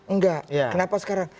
nggak kenapa sekarang